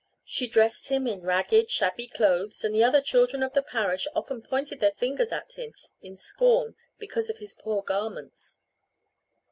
She dressed him in ragged, shabby clothes and the other children of the parish often pointed their fingers at him in scorn because of his poor garments.